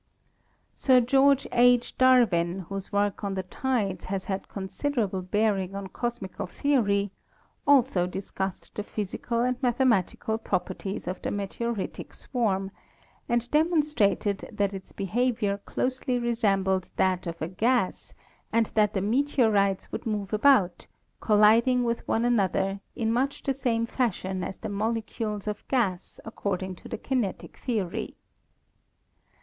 Sir George H. Darwin, whose work on the tides has had considerable bearing on cosmical theory, also discussed the physical and mathematical properties of the meteoritic swarm, and demonstrated that its behavior closely resem bled that of a gas and that the meteorites would move about, colliding with one another in much the same fash ion as the molecules of gas according to the kinetic theory.